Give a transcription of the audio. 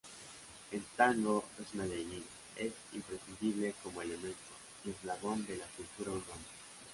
El tango, en Medellín, es imprescindible como elemento y eslabón de la cultura urbana.